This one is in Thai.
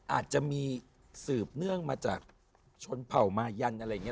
อาจจะมีสืบเนื่องมาจากชนเผ่ามายันอะไรอย่างนี้